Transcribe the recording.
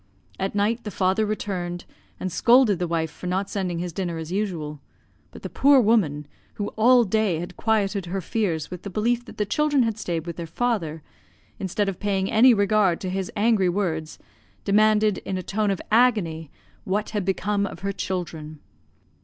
At night the father returned, and scolded the wife for not sending his dinner as usual; but the poor woman (who all day had quieted her fears with the belief that the children had stayed with their father), instead of paying any regard to his angry words, demanded, in a tone of agony, what had become of her children?